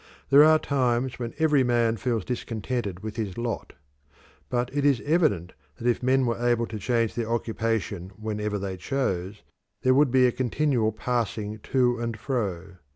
There are times when every man feels discontented with his lot. But it is evident that if men were able to change their occupation whenever they chose, there would be a continual passing to and fro.